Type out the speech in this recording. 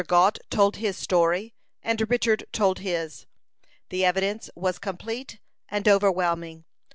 Gault told his story, and Richard told his. The evidence was complete and overwhelming.